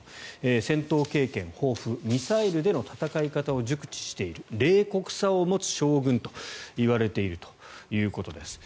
戦闘経験豊富ミサイルでの戦い方を熟知している冷酷さを持つ将軍といわれているということです。